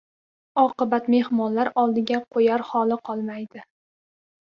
Oqibat — mehmonlar oldiga qo‘yar holi qolmaydi.